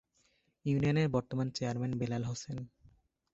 ইউনিয়নের বর্তমান চেয়ারম্যান বেলাল হোসেন।